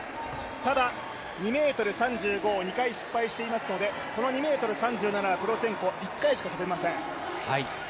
ただ、２ｍ３５を２回失敗していますので、この２ｍ３７はプロツェンコは１回しか跳べません。